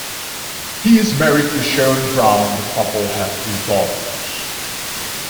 He is married to Sharon Brown; the couple have two daughters.